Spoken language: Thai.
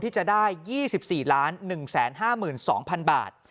ที่จะได้๒๔๑๕๒๐๐๐บาท